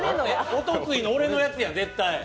お得意の俺のやつや、絶対。